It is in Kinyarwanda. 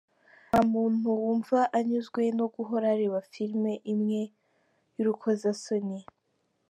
Nta muntu wumva anyuzwe no guhora areba filimi imwe y’urukozasoni.